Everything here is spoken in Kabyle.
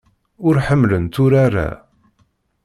Ur ḥemmlent urar-a.